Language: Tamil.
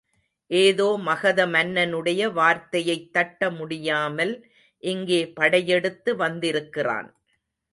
ஏதோ மகத மன்னனுடைய வார்த்தையைத் தட்ட முடியாமல் இங்கே படையெடுத்து வந்திருக்கிறான்.